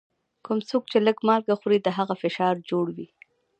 کوم څوک چي لږ مالګه خوري، د هغه فشار جوړ وي.